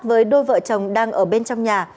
với đôi vợ chồng đang ở bên trong nhà